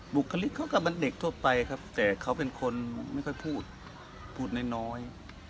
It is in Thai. บุคลิกเขาก็เป็นเด็กทั่วไปครับแต่เขาเป็นคนไม่ค่อยพูดพูดน้อย